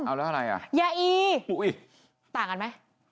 เอาแล้วอะไรอ่ะยาอีต่างกันไหม